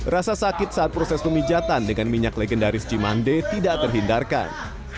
rasa sakit saat proses pemijatan dengan minyak legendaris cimande tidak terhindarkan